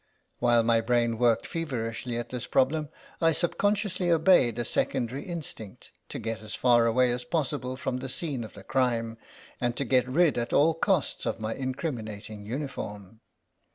While my brain worked feverishly at this problem, I subconsciously obeyed a secondary instinct — to get as far away as possible from the scene of the crime, and to get rid at all costs of my incriminating uniform.